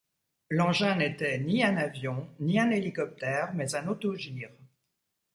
L'engin n'était ni un avion, ni un hélicoptère, mais un autogire.